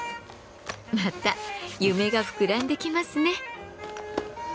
また夢が膨らんできますね。